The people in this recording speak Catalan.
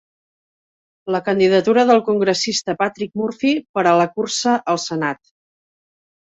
La candidatura del congressista Patrick Murphy per a la cursa al senat.